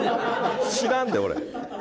知らんで、俺。